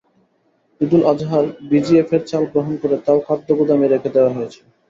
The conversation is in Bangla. ঈদুল আজহার ভিজিএফের চাল গ্রহণ করে তাও খাদ্য গুদামেই রেখে দেওয়া হয়েছে।